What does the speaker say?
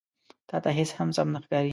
_تاته هېڅ هم سم نه ښکاري.